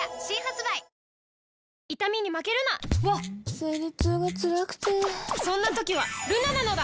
わっ生理痛がつらくてそんな時はルナなのだ！